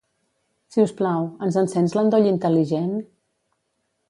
Si us plau, ens encens l'endoll intel·ligent?